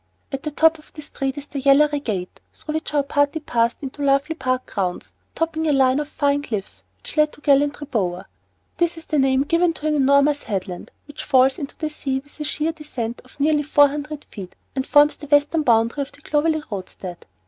At the top of the street is the "Yellery Gate" through which our party passed into lovely park grounds topping a line of fine cliffs which lead to "Gallantry Bower." This is the name given to an enormous headland which falls into the sea with a sheer descent of nearly four hundred feet, and forms the western boundary of the Clovelly roadstead.